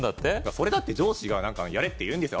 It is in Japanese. それだって上司がやれって言うんですよ